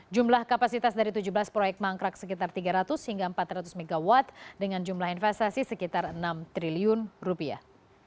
jumlah kapasitas dari tujuh belas proyek mangkrak sekitar tiga ratus hingga empat ratus mw dengan jumlah investasi sekitar enam triliun rupiah